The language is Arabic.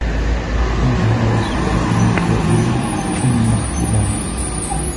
فَكَانَ هَذَا السُّؤَالُ مِنْ سَائِلِهِ إمَّا اخْتِبَارًا